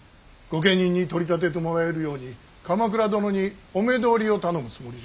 御家人に取り立ててもらえるように鎌倉殿にお目通りを頼むつもりじゃ。